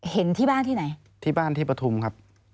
เห็นที่บ้านที่ไหนที่บ้านที่ปฐุมครับ